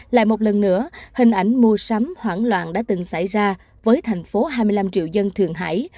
lại một lần nữa hình ảnh mua sắm hoảng loạn đã từng xảy ra với thành phố hai mươi năm triệu dân thường hải